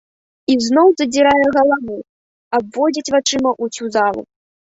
Ізноў задзірае галаву, абводзіць вачыма ўсю залу.